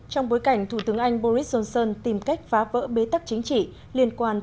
trong bối cảnh thủ tướng anh boris johnson tìm cách phá vỡ bế tắc chính trị liên quan